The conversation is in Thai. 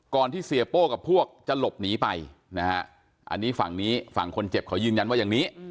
ที่เสียโป้กับพวกจะหลบหนีไปนะฮะอันนี้ฝั่งนี้ฝั่งคนเจ็บเขายืนยันว่าอย่างนี้